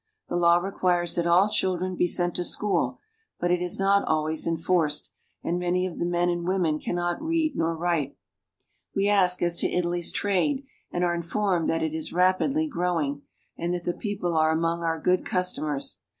The law requires that all children be sent to school, but it is not always enforced, and many of the men and women cannot read nor write. We ask as to Italy's trade, and are informed that it is rapidly growing, and that the people are among our good customers.